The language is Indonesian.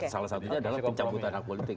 salah satunya adalah pencabutan hak politik